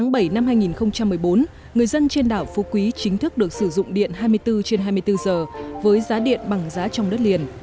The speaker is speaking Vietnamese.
ngày bảy năm hai nghìn một mươi bốn người dân trên đảo phú quý chính thức được sử dụng điện hai mươi bốn trên hai mươi bốn giờ với giá điện bằng giá trong đất liền